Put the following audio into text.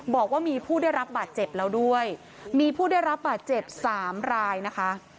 บอกว่ามีผู้ได้รับบาดเจ็บแล้วด้วยมีผู้ได้รับบาดเจ็บสามรายนะคะ